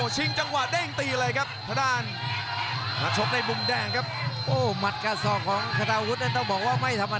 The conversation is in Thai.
ชิงจังหวัดเด้งตีเลยครับฆาตาวุฒิ